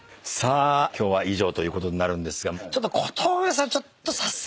今日は以上ということですが小峠さんちょっと。